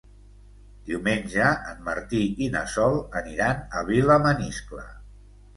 Diumenge en Martí i na Sol aniran a Vilamaniscle.